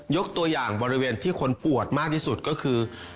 ยกตัวอย่างบริเวณที่คนปวดมากที่สุดก็คือ